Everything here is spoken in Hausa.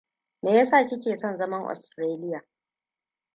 Meyasa ki ke son zaman Austaralia?